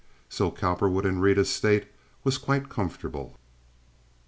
So Cowperwood and Rita's state was quite comfortable.